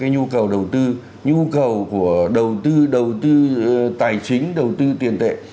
là cái nhu cầu đầu tư nhu cầu của đầu tư đầu tư tài chính đầu tư tiền tệ